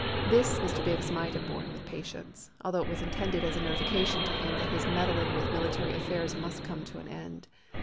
This Mr. Davis might have borne with patience, although it was intended as a notification to him that his meddling with military affairs must come to an end.